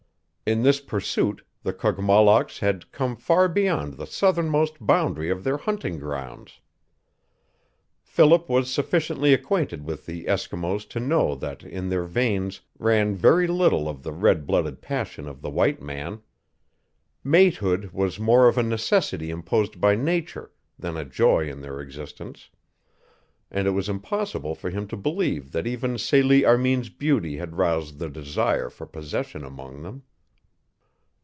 In this pursuit the Kogmollocks had come far beyond the southernmost boundary of their hunting grounds. Philip was sufficiently acquainted with the Eskimos to know that in their veins ran very little of the red blooded passion of the white man. Matehood was more of a necessity imposed by nature than a joy in their existence, and it was impossible for him to believe that even Celie Armin's beauty had roused the desire for possession among them.